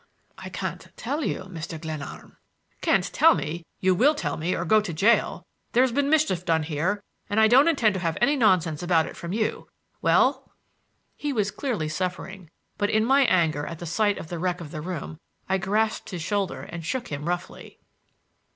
"I can't tell you, Mr. Glenarm." "Can't tell me! You will tell me or go to jail! There's been mischief done here and I don't intend to have any nonsense about it from you. Well—?" He was clearly suffering, but in my anger at the sight of the wreck of the room I grasped his shoulder and shook him roughly.